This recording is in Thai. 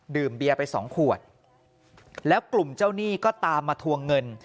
เบียร์ไปสองขวดแล้วกลุ่มเจ้าหนี้ก็ตามมาทวงเงิน